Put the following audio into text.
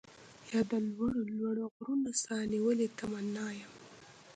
يا د لوړو لوړو غرونو، ساه نيولې تمنا يم